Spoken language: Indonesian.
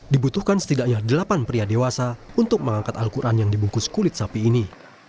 dibutuhkan setidaknya delapan pria dewasa untuk mengangkat al quran yang dibungkus kulit sapi ini